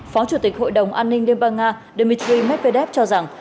phó chủ tịch hội đồng an ninh liên bang nga dmitry medvedev cho rằng